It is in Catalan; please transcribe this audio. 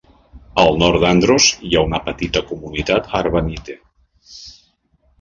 Al nord d'Andros hi ha una petita comunitat Arvanite.